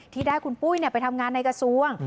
ที่ได้คุณปุ้ยไปทำงานในกระทรวง